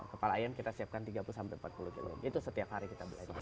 kepala ayam kita siapkan tiga puluh sampai empat puluh kilo itu setiap hari kita belajar